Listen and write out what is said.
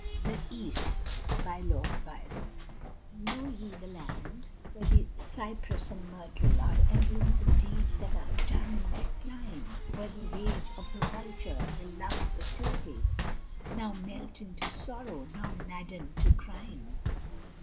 THE EAST From 'The Bride of Abydos' Know ye the land where the cypress and myrtle Are emblems of deeds that are done in their clime? Where the rage of the vulture, the love of the turtle, Now melt into sorrow, now madden to crime?